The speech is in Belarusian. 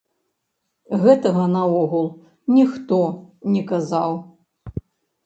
Гэтага наогул ніхто не казаў.